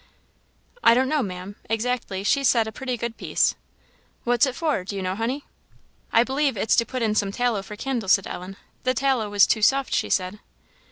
"I don't know, Ma'am, exactly: she said a pretty good piece." "What's it for, do you know, honey?" "I believe it's to put in some tallow for candles," said Ellen; "the tallow was too soft, she said."